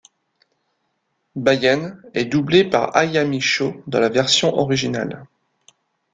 Baian est doublé par Hayami Shô dans la version originale.